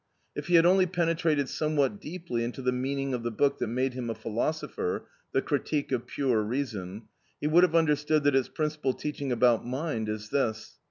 If he had only penetrated somewhat deeply into the meaning of the book that made him a philosopher, "The Critique of Pure Reason," he would have understood that its principal teaching about mind is this.